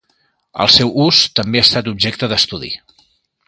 El seu ús també ha estat objecte d'estudi.